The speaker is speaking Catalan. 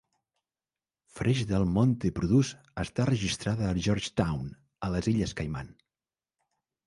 Fresh Del Monte Produce està registrada a George Town, a les illes Caiman.